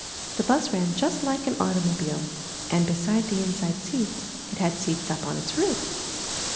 The bus ran just Hke an automobile and, beside the inside seats, it had seats on its roof.